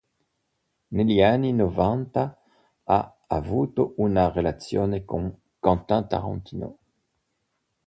Negli anni novanta ha avuto una relazione con Quentin Tarantino.